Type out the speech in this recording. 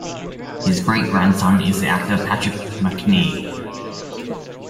His great-grandson is the actor Patrick Macnee.